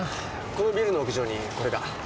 このビルの屋上にこれが。